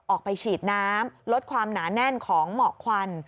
ออกไปฉีดน้ำลดความหนาแน่นของหมอกควัน